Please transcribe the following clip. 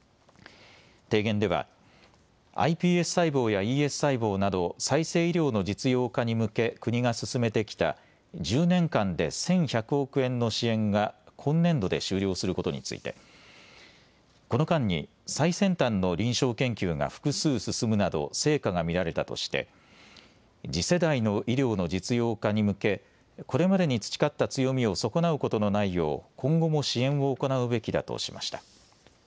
提言ではｉＰＳ細胞やＥＳ細胞など再生医療の実用化に向け国が進めてきた１０年間で１１００億円の支援が今年度で終了することについてこの間に最先端の臨床研究が複数進むなど成果が見られたとして次世代の医療の実用化に向けこれまでに培った強みを損なうことのないよう今後も支援を行うべきだとしました。